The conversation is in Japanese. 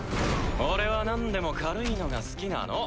俺はなんでも軽いのが好きなの。